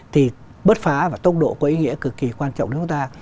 thì bứt phá và tốc độ có ý nghĩa cực kỳ quan trọng cho chúng ta